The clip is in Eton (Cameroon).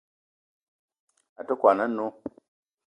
A te kwuan a-nnó